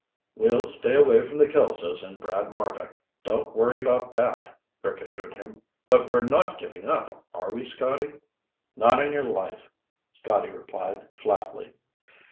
"We'll stay away from the Kelsos and Brad Marbek. Don't worry about that," Rick assured him. "But we're not giving up, are we, Scotty?" "Not on your life," Scotty replied flatly.